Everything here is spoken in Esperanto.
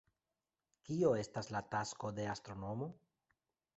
Kio estas la tasko de astronomo?